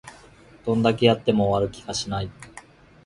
どんだけやっても終わる気がしない